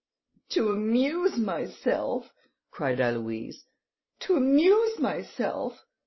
"To amuse myself!" cried Aloïse, "to amuse myself!"